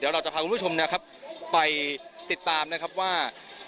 เราจะพาคุณผู้ชมนะครับไปติดตามนะครับว่า